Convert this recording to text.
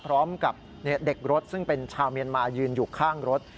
พร้อมกับเด็กรถซึ่งเป็นชาวเมียนมายืนอยู่ข้างรถ